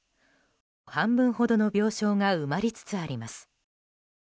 半分ほどの病床が埋まりつつあります。